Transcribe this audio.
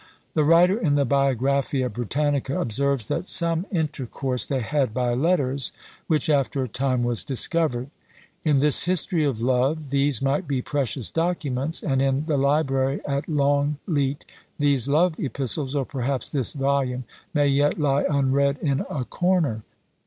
The writer in the "Biographia Britannica" observes that "Some intercourse they had by letters, which, after a time, was discovered." In this history of love these might be precious documents, and in the library at Long leat these love epistles, or perhaps this volume, may yet lie unread in a corner.